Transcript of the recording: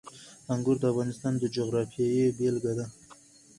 انګور د افغانستان د جغرافیې بېلګه ده.